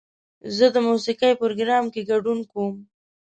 زه د موسیقۍ پروګرام کې ګډون کوم.